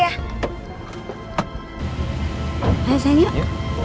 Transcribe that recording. makasih pak rendy